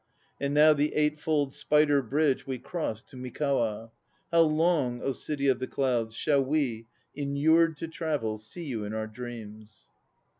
90 THE NO PLAYS OF JAPAN And now the eight fold Spider Bridge we cross To Mikawa. How long, City of the Clouds, 1 Shall we, inured to travel, see you in our dreams?